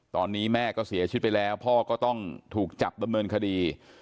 ตอนนี้แม่ก็เสียชีวิตไปแล้วพ่อก็ต้องถูกจับดำเนินคดี